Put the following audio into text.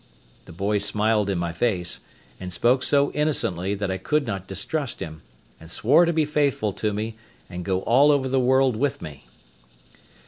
The boy smiled in my face, and spoke so innocently that I could not distrust him, and swore to be faithful to me, and go all over the world with me.